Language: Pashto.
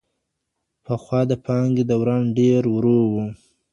پخوا د پانګي دوران ډیر ورو و.